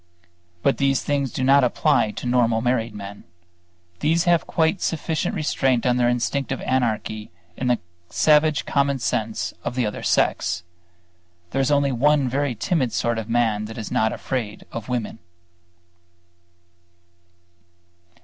But these things do not apply to normal married men. These have a quite sufficient restraint on their instinctive anarchy in the savage common sense of the other sex. There is only one very timid sort of man that is not afraid of women.